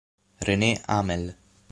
René Hamel